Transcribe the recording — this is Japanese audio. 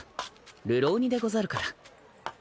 流浪人でござるから。